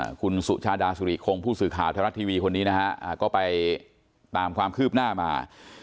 คุณสุชาดาสุริคงผู้สื่อข่าวไทยรัฐทีวีคนนี้นะฮะอ่าก็ไปตามความคืบหน้ามา